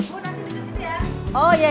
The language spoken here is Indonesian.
ibu nasi duduk disini